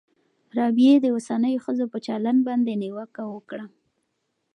رابعې د اوسنیو ښځو په چلند باندې نیوکه وکړه.